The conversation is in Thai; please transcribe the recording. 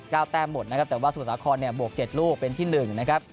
แต้มหมดนะครับแต่ว่าสมุทรสาครเนี่ยบวกเจ็ดลูกเป็นที่หนึ่งนะครับ